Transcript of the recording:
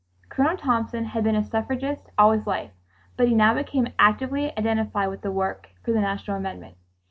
Colonel Thompson had been a suffragist all his life, but he now became actively identified with the work for the national amendment.